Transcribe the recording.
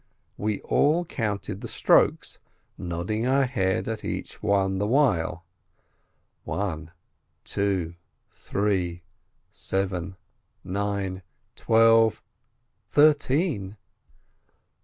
We all counted the strokes, nodding our head at each one the while: one — two — three — seven — nine — twelve — thirteen.